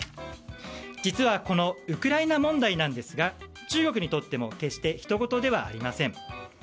実は、このウクライナ問題ですが中国にとっても決してひとごとではありません。